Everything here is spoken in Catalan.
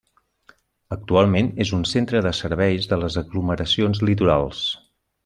Actualment és un centre de serveis de les aglomeracions litorals.